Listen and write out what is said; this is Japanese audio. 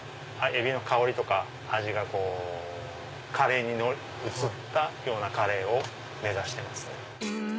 エビの香りとか味がカレーに移ったようなカレーを目指してますね。